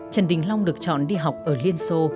trần đình long được chọn đi học ở liên xô